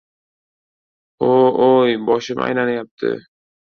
«O‘-o‘y, boshim aylanayapti».